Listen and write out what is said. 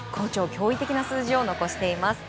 驚異的な数字を残しています。